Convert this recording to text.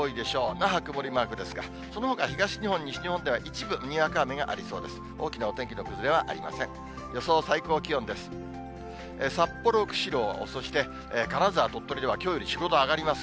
那覇曇りマークですが、そのほか、東日本、西日本では一部、にわか雨がありそうです。